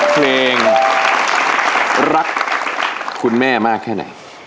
เพลงรักคุณแม่มากแค่ไหน